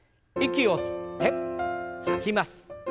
息を吸って吐きます。